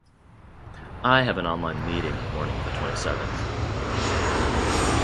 I have an online meeting the morning of the twenty-seventh.